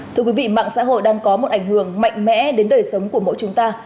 thưa quý vị mạng xã hội đang có một ảnh hưởng mạnh mẽ đến đời sống của mỗi chúng ta